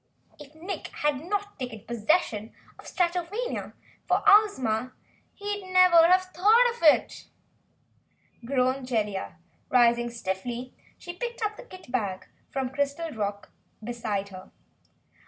"If Nick had not 'taken possession' of Stratovania for Ozma, he'd never have thought of it," groaned Jellia. Rising stiffly, she picked up the kit bag from the crystal rock beside her.